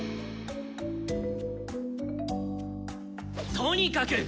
とにかく！